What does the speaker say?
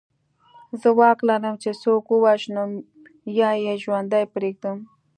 زه واک لرم چې څوک ووژنم یا یې ژوندی پرېږدم